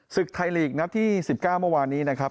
ศึกไทยลีกนัดที่๑๙เมื่อวานนี้นะครับ